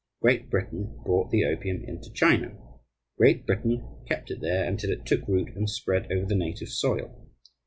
Great Britain brought the opium into China. Great Britain kept it there until it took root and spread over the native soil.